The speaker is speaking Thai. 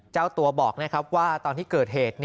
เจ้าตัวบอกว่าตอนที่เกิดเหตุ